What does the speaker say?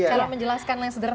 cara menjelaskan yang sederhana